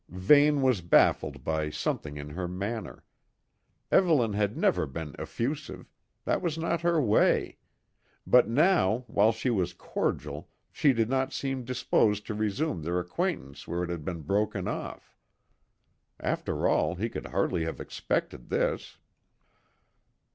Vane was baffled by something in her manner. Evelyn had never been effusive that was not her way but now, while she was cordial, she did not seem disposed to resume their acquaintance where it had been broken off. After all, he could hardly have expected this.